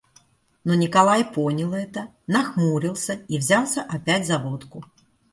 Но Николай понял это, нахмурился и взялся опять за водку.